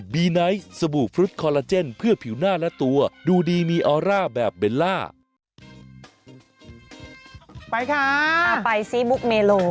ไปค่ะเอาไปซิมุกเมโล